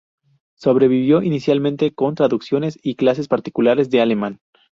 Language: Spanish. Sobrevivió inicialmente con traducciones y clases particulares de alemán.